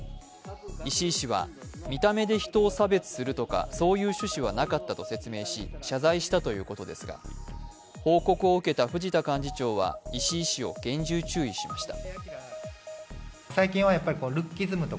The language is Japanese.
石井氏は、見た目で人を差別するとかそういう趣旨はなかったと説明し謝罪したということですが報告を受けた藤田幹事長は石井氏を厳重注意しました。